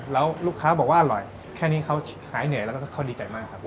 แล้วลูกค้าบอกว่าอร่อยแค่นี้เขาหายเหนื่อยแล้วก็เขาดีใจมากครับ